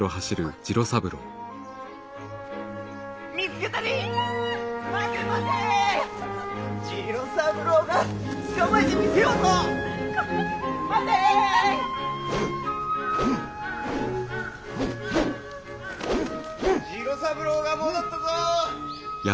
・次郎三郎が戻ったぞ。